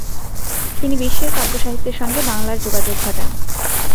তিনি বিশ্বের কাব্যসাহিত্যের সঙ্গে বাংলার যোগাযোগ ঘটান।